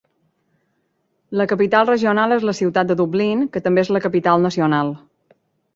La capital regional és la ciutat de Dublín, que també és la capital nacional.